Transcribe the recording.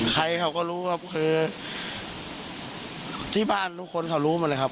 ใครเขาก็รู้ครับคือที่บ้านทุกคนเขารู้หมดเลยครับ